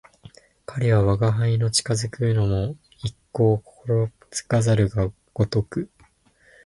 彼は吾輩の近づくのも一向心付かざるごとく、また心付くも無頓着なるごとく、大きな鼾をして長々と体を横えて眠っている